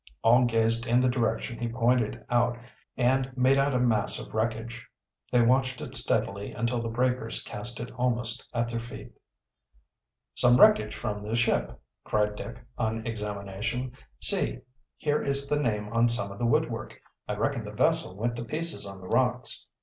All gazed in the direction he pointed out and made out a mass of wreckage. They watched it steadily until the breakers cast it almost at their feet. "Some wreckage from the ship!" cried Dick, on examination. "See, here is the name on some of the woodwork. I reckon the vessel went to pieces on the rocks."